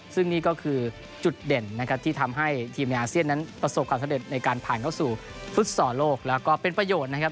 ซึ่งนี่ก็คือจุดเด่นนะครับที่ทำให้ทีมในอาเซียนนั้นประสบความสำเร็จในการผ่านเข้าสู่ฟุตซอลโลกแล้วก็เป็นประโยชน์นะครับ